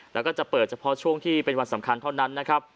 แล้วก็จะเปิดเฉพาะช่วงที่เป็นวันสำคัญเท่านั้นนะครับ